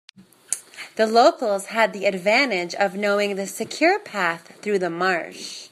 The locals had the advantage of knowing the secure path through the marsh.